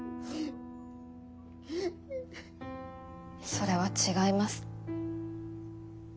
それは違います。